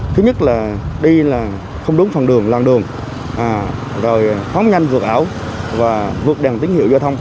thứ nhất là đi là không đúng phần đường làng đường rồi phóng nhanh vượt ảo và vượt đèn tín hiệu giao thông